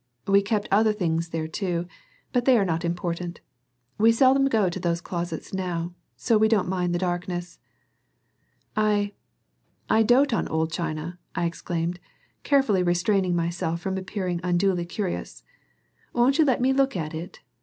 We keep other things there, too, but they are not important. We seldom go to those closets now, so we don't mind the darkness." "I I dote on old china," I exclaimed, carefully restraining myself from appearing unduly curious. "Won't you let me look at it?